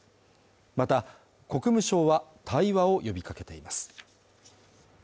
また、国務省は対話を呼びかけています。